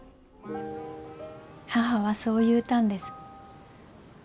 母はそう言うたんです。